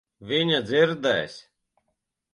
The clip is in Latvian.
Viņa dzirdēs.